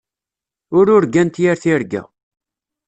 Ur urgant yir tirga.